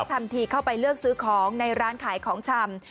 ทำทีเข้าไปเลือกซื้อของในร้านขายของชำ